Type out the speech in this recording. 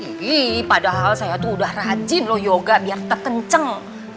ih padahal saya tuh udah rajin loh yoga biar tetap kenceng